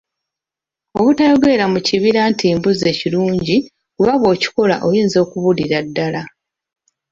Obutayogerera mu kibira nti mbuzze kirungi kuba bw'okikola oyinza okubulira ddala.